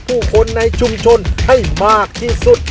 ผู้คนในชุมชนให้มากที่สุด